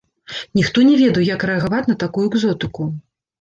Ніхто не ведаў, як рэагаваць на такую экзотыку.